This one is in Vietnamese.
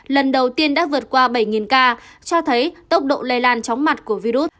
lần đầu tiên đã vượt qua bảy ca cho thấy tốc độ lây lan chóng mặt của virus